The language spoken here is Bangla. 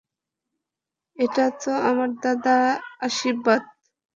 এটা তো আমার দাদা আশির্বাদ।